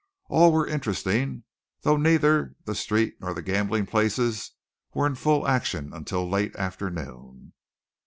All were interesting; though neither the streets nor the gambling places were in full action until late afternoon.